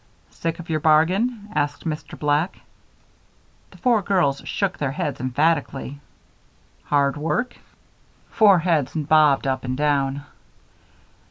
"Sick of your bargain?" asked Mr. Black. The four girls shook their heads emphatically. "Hard work?" Four heads bobbed up and down.